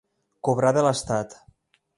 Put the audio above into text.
Cobrar de l'estat.